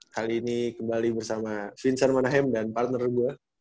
kali ini kembali bersama vincer manahem dan partner gue